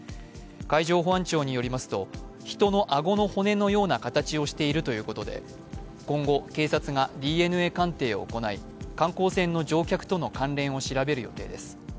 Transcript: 海上保安庁によりますと人の顎の骨のような形をしているということで今後、警察がＤＮＡ鑑定を行い観光船の乗客との関連を調べる予定です。